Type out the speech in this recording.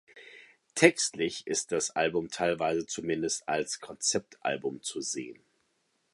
Textlich ist das Album teilweise zumindest als Konzeptalbum zu sehen.